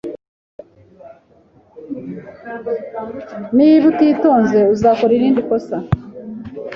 Niba utitonze, uzakora irindi kosa